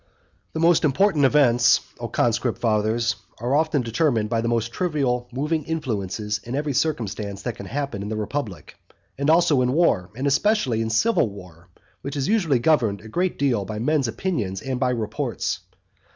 X. The most important events, O conscript fathers, are often determined by very trivial moving influences in every circumstance that can happen in the republic, and also in war, and especially in civil war, which is usually governed a great deal by men's opinions and by reports.